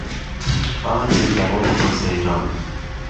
ئانێ دهڕۆی بۆ سهیران